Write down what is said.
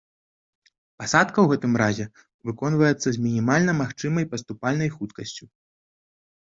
Пасадка ў гэтым разе выконваецца з мінімальна магчымай паступальнай хуткасцю.